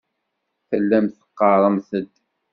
Tellamt teɣɣaremt-d.